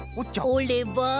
おれば？